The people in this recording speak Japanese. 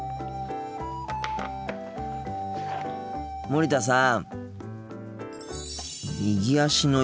森田さん。